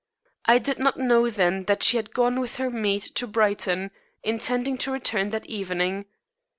I did not know then that she had gone with her maid to Brighton intending to return that evening.